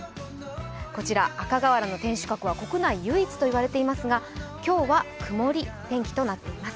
赤瓦の天守閣は国内唯一と言われていますが今日はくもり天気となっています。